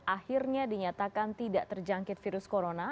akhirnya dinyatakan tidak terjangkit virus corona